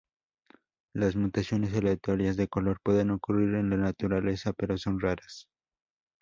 Las mutaciones aleatorias de color pueden ocurrir en la naturaleza, pero son raras.